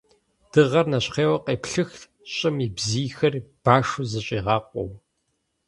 Дыгъэр нэщхъейуэ къеплъыхт щӀым и бзийхэр, башу зыщӀигъакъуэу.